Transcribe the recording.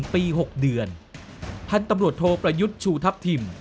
จำคุกหนึ่งปีหกเดือนท่านตำรวจโทประยุทธชูทัพทิม